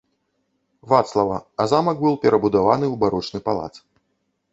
Вацлава, а замак быў перабудаваны ў барочны палац.